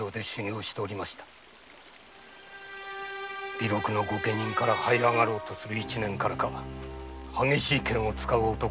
微禄の御家人から這いあがろうとする一念から烈しい剣を使う男でした。